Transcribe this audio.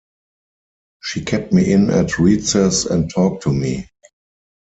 She kept me in at recess and talked to me.